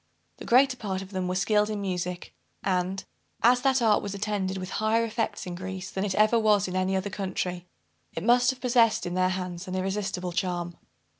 The greater part of them were skilled in music; and, as that art was attended with higher effects in Greece than it ever was in any other country, it must have possessed, in their hands, an irresistible charm.